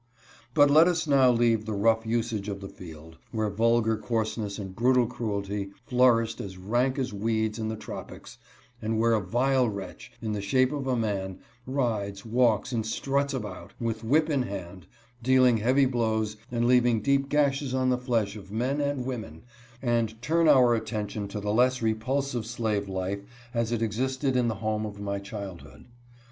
But let us now leave the rough usage of the field, where vulgar coarseness and brutal cruelty flourished as rank as weeds in the tropics and where a vile wretch, in the shape of a man, rides, walks and struts about, with whip in hand, dealing heavy blows and leaving deep gashes on the flesh of men and women, and turn our attention to the less repulsive slave life as it existed in the home of my child hood.